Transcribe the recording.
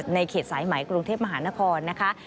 เขตสายไหมกรุงเทพมหานครนะคะ